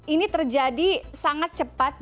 ini terjadi sangat cepat